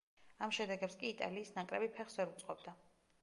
ამ შედეგებს კი იტალიის ნაკრები ფეხს ვერ უწყობდა.